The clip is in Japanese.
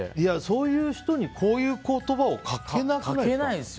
そういう人にこういう言葉をかけないですよ。